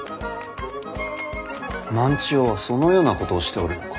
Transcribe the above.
万千代はそのようなことをしておるのか。